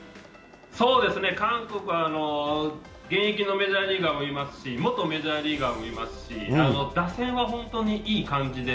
韓国は現役のメジャーリーガーもいますし元メジャーリーガーもいますし打線は本当にいい感じで